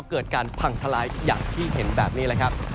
เกิดการพังทลายอย่างที่เห็นแบบนี้แหละครับ